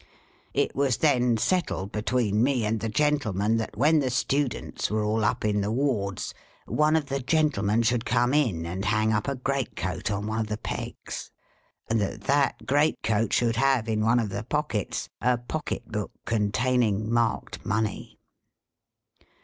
It was then settled between me and the gentlemen that when the students were all up in the wards, one of the gentlemen should come in, and hang up a great coat on one of the pegs. And that that great coat should have, in one of the pockets, a pocket book containing marked money.